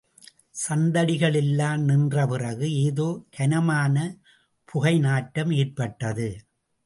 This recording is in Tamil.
சந்தடிகள் எல்லாம் நின்ற பிறகு, ஏதோ கனமான புகைநாற்றம் ஏற்பட்டது.